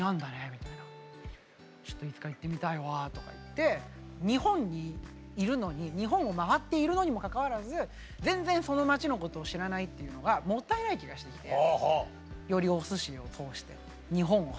みたいな「ちょっといつか行ってみたいわ」とか言って日本にいるのに日本をまわっているのにもかかわらず全然その街のことを知らないっていうのがもったいない気がしてきて。